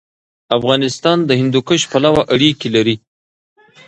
افغانستان د هندوکش پلوه اړیکې لري.